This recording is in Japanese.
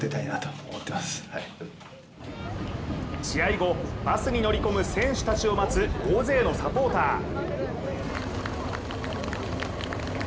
試合後、バスに乗り込む選手たちを待つ、大勢のサポーター。